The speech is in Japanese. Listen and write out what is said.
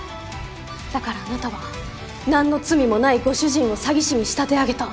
だからあなたは何の罪もないご主人を詐欺師に仕立て上げた。